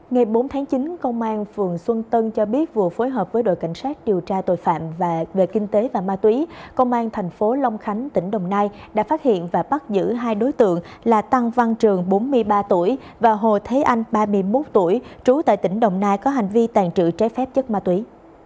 ngày bốn tháng chín công an phường xuân tân cho biết vừa phối hợp với đội cảnh sát điều tra tội phạm về kinh tế và ma túy công an thành phố long khánh tỉnh đồng nai đã phát hiện và bắt giữ hai đối tượng là tăng văn trường bốn mươi ba tuổi và hồ thế anh ba mươi một tuổi trú tại tỉnh đồng nai có hành vi tàn trự trái phép chất ma túy